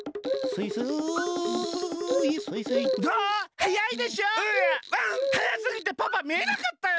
はやすぎてパパみえなかったよ。